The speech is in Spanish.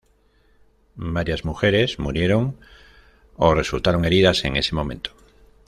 Varias mujeres murieron o resultaron heridas en ese momento.